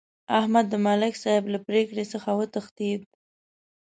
احمد د ملک صاحب له پرېکړې څخه وتښتېدا.